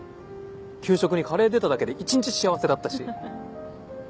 給食にカレー出ただけで一日幸せだったし。